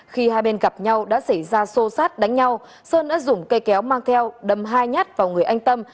khi hai bên gặp nhau đã xảy ra xô xát đánh nhau sơn đã dùng cây kéo mang theo đâm hai nhát vào người anh tâm